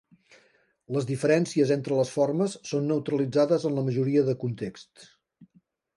Les diferències entre les formes són neutralitzades en la majoria de contexts.